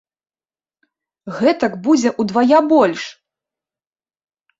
Гэтак будзе ўдвая больш!